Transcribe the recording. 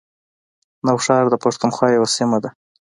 نوښار د پښتونخوا یوه سیمه ده